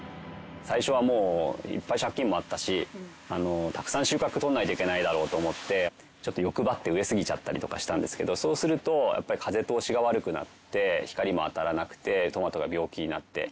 最初はもういっぱい借金もあったしたくさん収穫取らないといけないだろうと思ってちょっと欲張って植えすぎちゃったりとかしたんですけどそうするとやっぱり風通しが悪くなって光も当たらなくてトマトが病気になって。